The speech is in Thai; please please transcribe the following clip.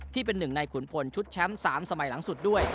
ที่เป็นหนึ่งในขุนพลชุดแชมป์๓สมัยหลังสุดด้วย